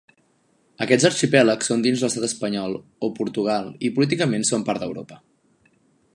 Aquests arxipèlags són dins l'estat espanyol o Portugal i políticament són part d'Europa.